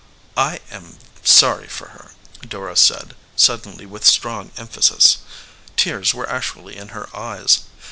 "I am sorry for her," Dora said, suddenly, with strong emphasis. Tears were actually in her eyes.